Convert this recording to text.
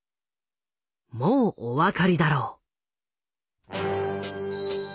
もうお分かりだろう。